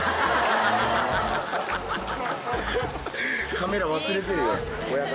カメラ忘れてるよ親方。